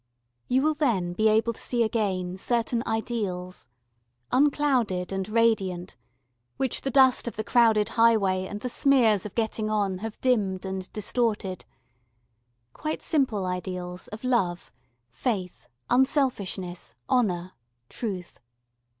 You will then be able to see again certain ideals, unclouded and radiant, which the dust of the crowded highway and the smears of getting on have dimmed and distorted quite simple ideals of love, faith, unselfishness, honour, truth.